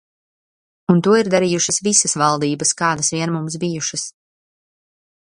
Un to ir darījušas visas valdības, kādas vien mums bijušas.